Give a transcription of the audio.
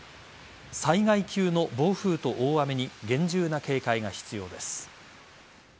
災害級の暴風雨と大雨に厳重な警戒が必要です。